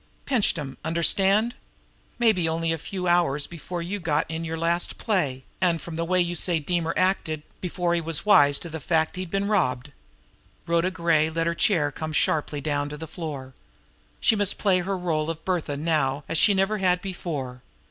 Pinched 'em, understand, may be only a few hours before you got in your last play, and, from the way you say Deemer acted, before he was wise to the fact that he'd been robbed." Rhoda Gray let her chair come sharply down to the floor. She must play her role of "Bertha" now as she never had before.